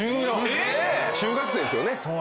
えっ⁉中学生ですよね。